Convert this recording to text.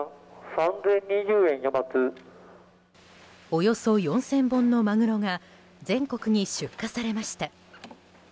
およそ４０００本のマグロが全国に出荷されました。